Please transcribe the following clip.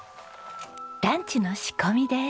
ランチの仕込みです。